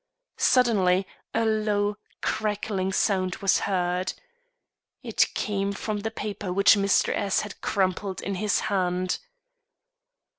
Suddenly a low, crackling sound was heard. It came from the paper which Mr. S had crumpled in his hand.